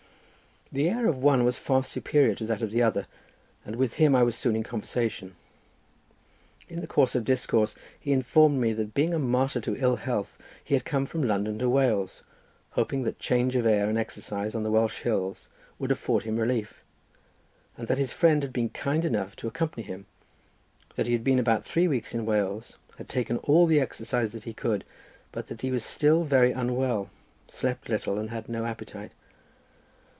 The air of one was far superior to that of the other, and with him I was soon in conversation. In the course of discourse he informed me that being a martyr to ill health he had come from London to Wales, hoping that change of air, and exercise on the Welsh hills, would afford him relief, and that his friend had been kind enough to accompany him. That he had been about three weeks in Wales, had taken all the exercise that he could, but that he was still very unwell, slept little and had no appetite.